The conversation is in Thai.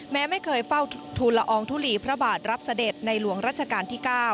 แม้ไม่เคยเฝ้าทูลอองทุลีพระบาทรับเสด็จในหลวงรัชกาลที่๙